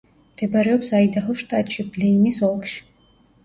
მდებარეობს აიდაჰოს შტატში, ბლეინის ოლქში.